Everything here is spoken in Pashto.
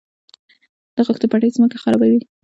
د خښتو بټۍ ځمکه خرابوي؟